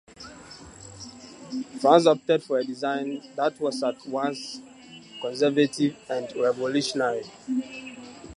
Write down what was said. Franz opted for a design that was at once conservative and revolutionary.